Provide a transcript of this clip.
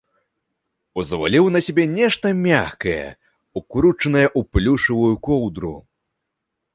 Узваліў на сябе нешта мяккае, укручанае ў плюшавую коўдру.